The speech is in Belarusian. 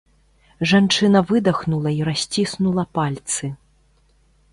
Жанчына выдахнула і расціснула пальцы.